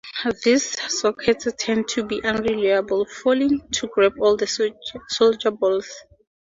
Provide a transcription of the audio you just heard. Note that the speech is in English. These sockets tend to be unreliable, failing to grab all the solder balls.